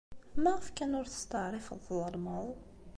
Maɣef kan ur testeɛṛifeḍ tḍelmeḍ?